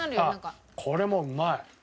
あっこれもうまい！